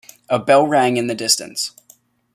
A bell rang in the distance.